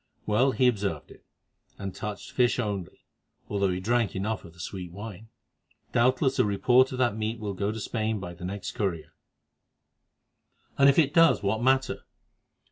Well, he observed it, and touched fish only, although he drank enough of the sweet wine. Doubtless a report of that meat will go to Spain by the next courier." "And if it does, what matter?